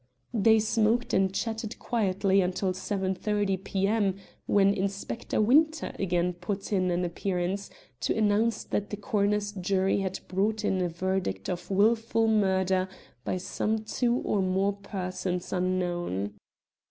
They smoked and chatted quietly until 7.30 p.m., when Inspector Winter again put in an appearance, to announce that the coroner's jury had brought in a verdict of "Wilful murder by some two or more persons unknown."